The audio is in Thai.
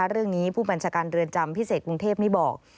ผู้บัญชาการเรือนจำพิเศษกรุงเทพนี่บอก